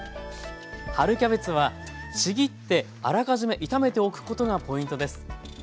春キャベツはちぎってあらかじめ炒めておくことがポイントです。